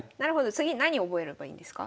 次何覚えればいいんですか？